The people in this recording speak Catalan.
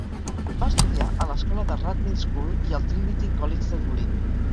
Va estudiar a l'escola de Rathmines School i al Trinity College de Dublín.